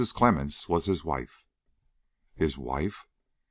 Clemmens was his wife." "His wife?"